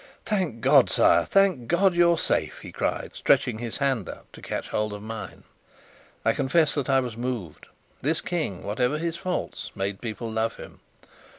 "Thank God, sire! thank God, you're safe!" he cried, stretching his hand up to catch hold of mine. I confess that I was moved. This King, whatever his faults, made people love him.